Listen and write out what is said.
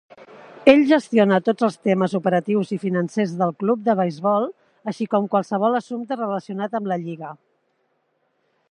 Ell gestiona tots els temes operatius i financers del club de beisbol, així com qualsevol assumpte relacionat amb la lliga.